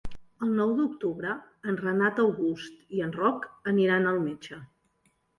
El nou d'octubre en Renat August i en Roc aniran al metge.